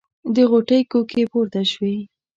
د غوټۍ کوکې پورته شوې.